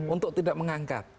untuk tidak mengangkat